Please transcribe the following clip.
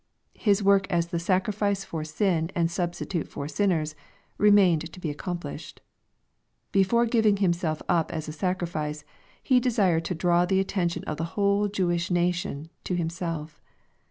His work as the sacrifice for sin and sub stitute for sinners, remained to be accomplished. Before giving Himself up as a sacrifice, He desired to draw the attention of the whole Jewish nation to Himself.